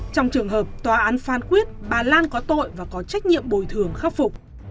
trong trường hợp tòa án phán quyết bà lan có tội và có trách nhiệm bồi thường khắc phục